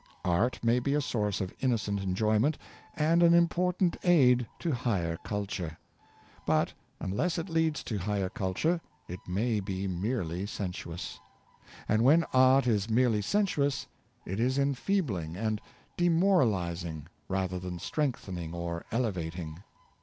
Art may be a source of innocent enjoyment, and an important aid to higher culture; but unless it leads to higher culture, it maybe merely sensuous. And when art is merely sensuous, it is enfeebling and demoralizing rather than strengthen ing or elevating.